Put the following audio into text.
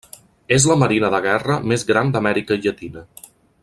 És la marina de guerra més gran d'Amèrica Llatina.